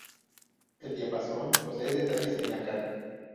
El diapasón posee detalles en nácar.